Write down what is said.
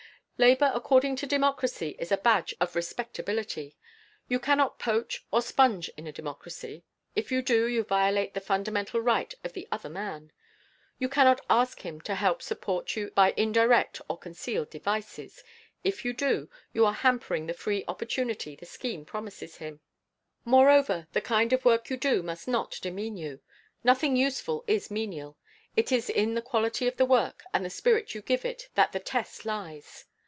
Labor according to democracy is a badge of respectability. You cannot poach or sponge in a democracy; if you do, you violate the fundamental right of the other man. You cannot ask him to help support you by indirect or concealed devices; if you do, you are hampering the free opportunity the scheme promises him. Moreover, the kind of work you do must not demean you. Nothing useful is menial. It is in the quality of the work and the spirit you give it that the test lies.